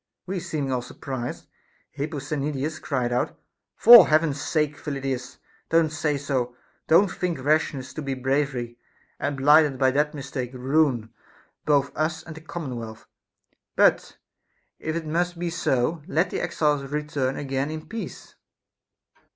We seeming all surprised, Hip posthenides cried out : For Heaven's sake, Phyllidas, don't say so, don't think rashness to be bravery, and blinded by that mistake ruin both us and the commonwealth ; but, if it must be so, let the exiles return again in peace.